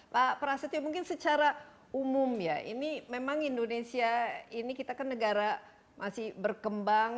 pak prasetyo mungkin secara umum ya ini memang indonesia ini kita kan negara masih berkembang